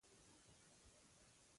ښایست له لورینې سره مل دی